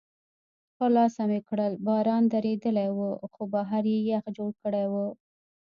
خلاصه مې کړل، باران درېدلی و، خو بهر یې یخ جوړ کړی و.